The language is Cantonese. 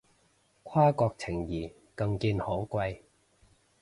跨國情誼更見可貴